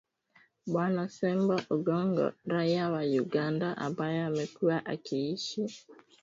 Bwana Ssebbo Ogongo raia wa Uganda ambaye amekuwa akiishi katika mji mkuu wa Kenya